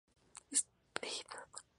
Peter's, St.